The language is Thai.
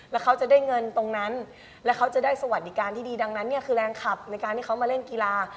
แล้วเขาจะได้เงินตรงนั้นแล้วเขาจะได้สวัสดิการที่ดีดังนั้นเนี่ยคือแรงขับในการที่เขามาเล่นกีฬา